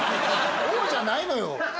「おお」じゃないのよ。